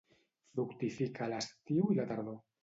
Fructifica a l'estiu i la tardor.